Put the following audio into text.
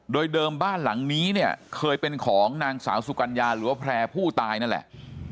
โดยเดิมบ้านหลังนี้เนี่ยเคยเป็นของนางสาวสุกัญญาหรือว่าแพร่ผู้ตายนั่นแหละ